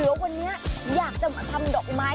เรียววันนี่อยากจะมาทำปุ่มดอกไม้